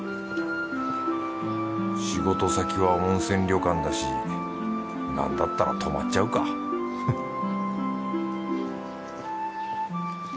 仕事先は温泉旅館だしなんだったら泊まっちゃうかフッ